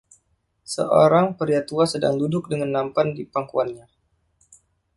Seorang pria tua sedang duduk dengan nampan di pangkuannya.